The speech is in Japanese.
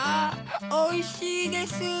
おいしいです！